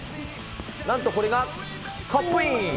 なんとこれがカップイン。